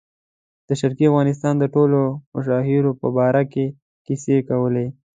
د شرقي افغانستان د ټولو مشاهیرو په باره کې کیسې کولې.